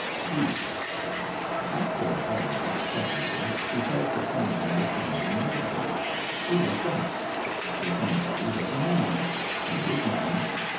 II After a while, subtly, she felt that someone was standing near her. She looked up. The somebody was a man. He was young.